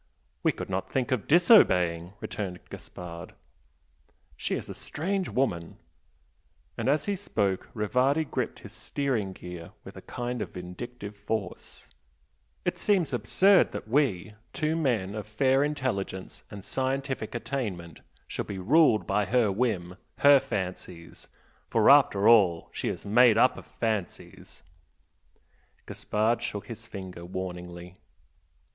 "We could not think of disobeying!" returned Gaspard. "She is a strange woman!" and as he spoke Rivardi gripped his steering gear with a kind of vindictive force "It seems absurd that we, two men of fair intelligence and scientific attainment, should be ruled by her whim, her fancies for after all she is made up of fancies " Gaspard shook his finger warningly.